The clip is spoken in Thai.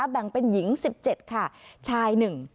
แบ่งเป็นหญิง๑๗ค่ะชาย๑